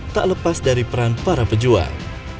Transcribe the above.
tak lepas dari peran para pejuang